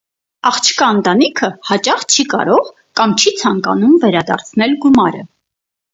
Աղջկա ընտանիքը հաճախ չի կարող կամ չի ցանկանում վերադարձնել գումարը։